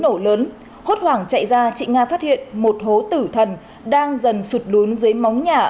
sau một buổi tiếng nổ lớn hốt hoảng chạy ra chị nga phát hiện một hố tử thần đang dần sụt lún dưới móng nhà